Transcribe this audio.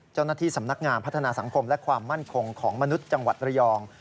เจ้าหน้าที่สำนักงานพัฒนาสังคมและความมั่นคงของมนุษย์จังหวัดระยอง